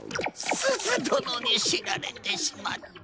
すずどのにしられてしまった！？